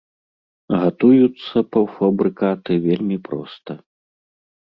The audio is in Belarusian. Гатуюцца паўфабрыкаты вельмі проста.